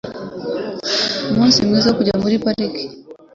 Numunsi mwiza wo kujya muri parike.